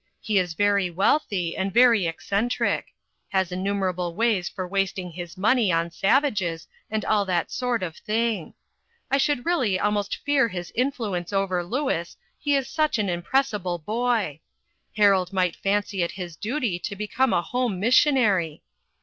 He is very wealthy and very eccentric ; has innum erable ways for wasting his money on sav ages, and all that sort of thing. I should 35 2 INTERRUPTED. really almost fear his influence over Louis, he is such an impressible boy. Harold might fancy it his duty to become a home mis sionary."